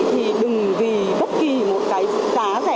thì đừng vì bất kỳ một cái giá rẻ